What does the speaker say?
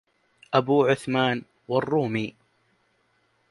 أبو عثمان والرومي